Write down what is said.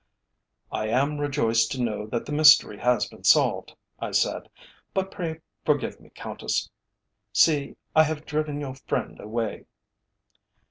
"I am rejoiced to know that the mystery has been solved," I said. "But pray forgive me, Countess; see, I have driven your friend away."